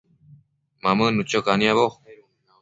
Mamënnu cho caniabo